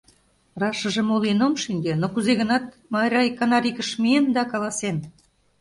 Рашыже мо лийын, ом шинче, кузе-гынат, Майра икана рикыш миен да каласен: